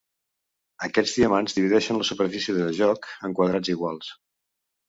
Aquests diamants divideixen la superfície de joc en quadrats iguals.